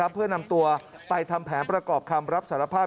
เพื่อนำตัวไปทำแผนประกอบคำรับสารภาพ